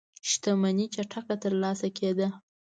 شتمنۍ چټکه ترلاسه کېده.